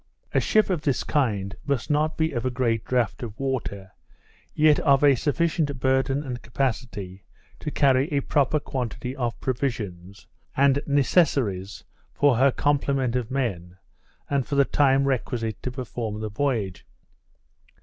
A ship of this kind must not be of a great draught of water, yet of a sufficient burden and capacity to carry a proper quantity of provisions and necessaries for her complement of men, and for the time requisite to perform the voyage.